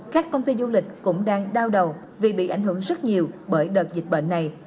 các công ty du lịch cũng đang đau đầu vì bị ảnh hưởng rất nhiều bởi đợt dịch bệnh này